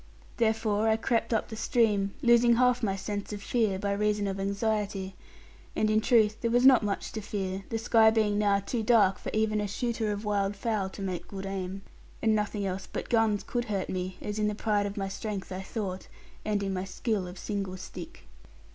Therefore, I crept up the stream, losing half my sense of fear, by reason of anxiety. And in truth there was not much to fear, the sky being now too dark for even a shooter of wild fowl to make good aim. And nothing else but guns could hurt me, as in the pride of my strength I thought, and in my skill of single stick.